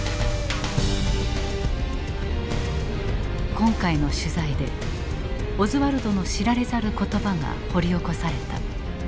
今回の取材でオズワルドの知られざる言葉が掘り起こされた。